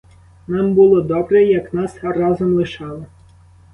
Нам було добре, як нас разом лишали.